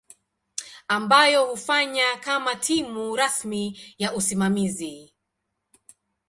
ambayo hufanya kama timu rasmi ya usimamizi.